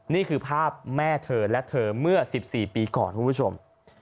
นี่คือภาพแม่เธอและเธอเมื่อ๑๔ปีก่อนคุณผู้ชม